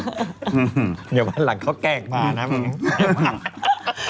เดี๋ยวบ้านหลังเขาแกล้งผ่านนะ